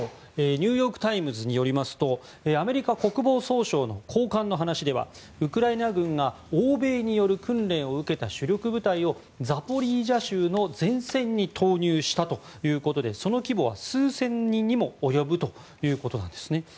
ニューヨーク・タイムズによりますとアメリカ国防総省の高官の話ではウクライナ軍が欧米による訓練を受けた主力部隊をザポリージャ州の前線に投入したということでその規模は数千人にも及ぶということなんですね。